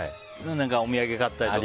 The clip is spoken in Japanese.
お土産買ったりとか。